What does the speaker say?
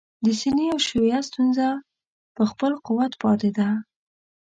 د سني او شیعه ستونزه په خپل قوت پاتې ده.